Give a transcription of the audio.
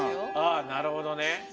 あなるほどね。